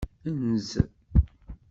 Enz.